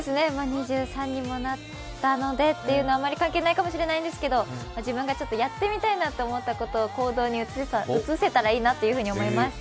２３にもなったのでというのはあまり関係ないかもしれないですけど、自分がやってみたいなと思ったことを行動に移せたらいいなと思います。